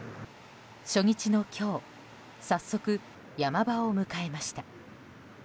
初日の今日早速、山場を迎えました。